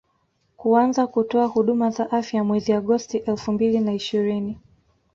kuanza kutoa huduma za afya mwezi agosti elfu mbili na ishirini